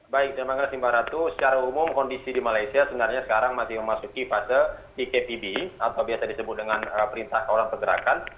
baik terima kasih mbak ratu secara umum kondisi di malaysia sebenarnya sekarang masih memasuki fase ektb atau biasa disebut dengan perintah orang pergerakan